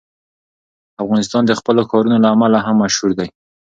افغانستان د خپلو ښارونو له امله هم مشهور دی.